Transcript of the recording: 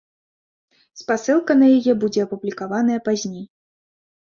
Спасылка на яе будзе апублікаваная пазней.